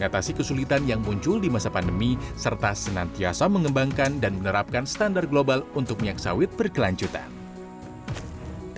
dan juga pemerintah yang memiliki keuntungan yang sangat penting untuk memperkenalkan minyak sawit di dunia ini